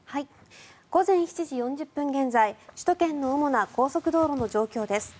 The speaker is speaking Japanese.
午前７時４０分現在首都圏の主な高速道路の状況です。